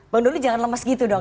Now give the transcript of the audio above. bang doli jangan lemes gitu dong